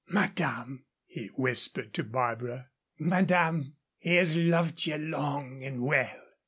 "Madame," he whispered to Barbara "madame, he has loved ye long and well.